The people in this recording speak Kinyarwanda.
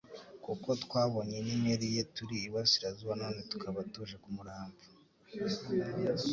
"Kuko twabonye inyenyeri ye turi i burasirazuba none tukaba tuje kumuramva."